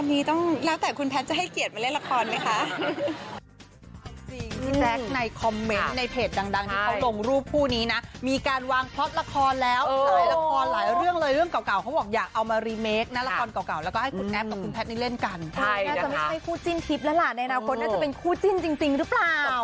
อันนี้ต้องแล้วแต่คุณแพทย์จะให้เกียรติมาเล่นละครไหมคะ